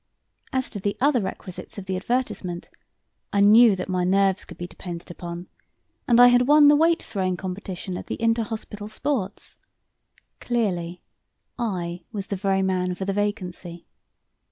As to the other requisites of the advertisement, I knew that my nerves could be depended upon, and I had won the weight throwing competition at the inter hospital sports. Clearly, I was the very man for the vacancy.